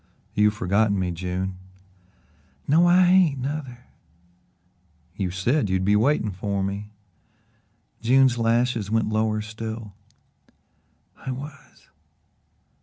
"You've forgotten me, June." "No, I hain't, nuther." "You said you'd be waiting for me." June's lashes went lower still. "I was."